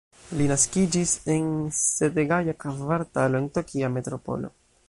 Li naskiĝis en Setagaja-kvartalo en Tokia Metropolo.